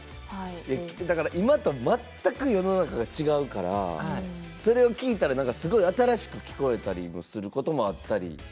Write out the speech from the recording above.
だから今と全く世の中が違うからそれを聞いたらすごい新しく聞こえたりもすることもあったり。